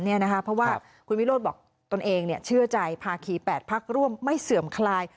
เพราะว่าคุณวิโรธบอกตนเองเชื่อใจภาคี๘พักร่วมไม่เสื่อมคลาย